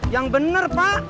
yang bener pak